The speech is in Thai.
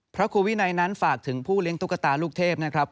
พระครูวินัยนั้นฝากถึงผู้เลี้ยงตุ๊กตาลูกเทพนะครับ